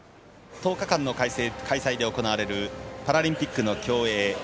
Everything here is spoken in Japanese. １０日間の開催で行われるパラリンピックの競泳。